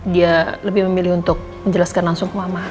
dia lebih memilih untuk menjelaskan langsung ke mama